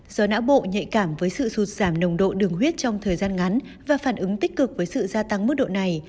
do não bộ nhạy cảm với sự sụt giảm nồng độ đường huyết trong thời gian ngắn và phản ứng tích cực với sự gia tăng mức độ này